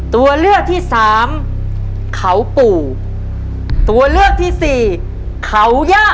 ตัวเลือกที่สามเขาปู่ตัวเลือกที่สี่เขาย่า